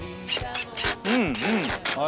うんうん。